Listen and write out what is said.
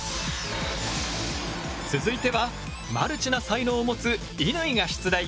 続いてはマルチな才能を持つ乾が出題！